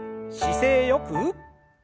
姿勢よく。